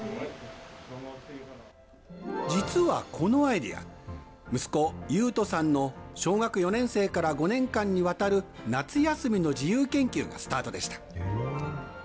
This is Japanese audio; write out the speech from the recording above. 実はこのアイデア、息子、優翔さんの小学４年生から５年間にわたる夏休みの自由研究がスタートでした。